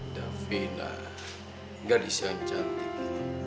davina gadis yang cantik